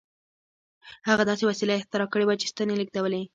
هغه داسې وسیله اختراع کړې وه چې ستنې لېږدولې